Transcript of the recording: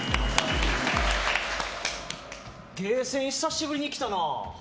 ゲーセン、久しぶりに来たな。